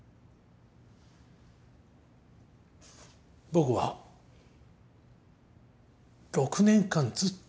僕は６年間ずっと。